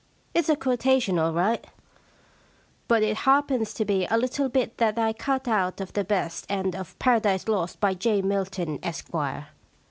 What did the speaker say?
It's a quotation all right, but it happens to be a little bit that I cut out of the best end of Paradise Lost^ by J. Milton, Esquire.